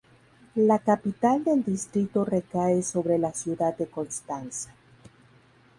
La capital del distrito recae sobre la ciudad de Constanza.